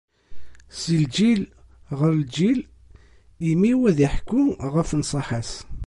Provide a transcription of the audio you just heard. Si lǧil ɣer lǧil, imi-w ad iḥekku ɣef nnṣaḥa-s.